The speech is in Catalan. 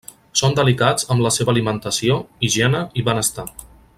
Són delicats amb la seva alimentació, higiene i benestar.